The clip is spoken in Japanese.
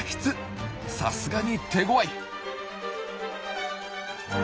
さすがに手ごわい！